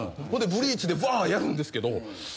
ほんでブリーチでバーッやるんですけど「